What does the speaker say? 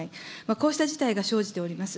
こうした事態が生じております。